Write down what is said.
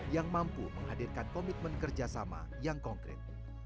yang mampu menghadirkan komitmen kerjasama yang konkret